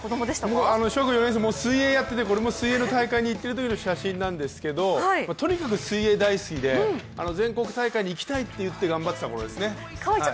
これは小学４年生、もう水泳やってて、これも水泳の大会に行ってるときの写真なんですけどとにかく水泳大好きで全国大会に行きたいといって頑張っていたころですね。